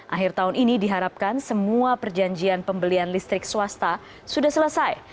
akhir tahun ini diharapkan semua perjanjian pembelian listrik swasta sudah selesai